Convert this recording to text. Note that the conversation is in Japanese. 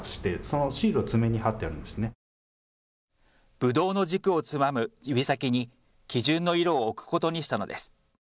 ぶどうの軸をつまむ指先に基準の色を置くことにしたのです。